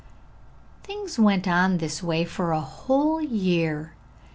_] Things went on in this way for a whole year.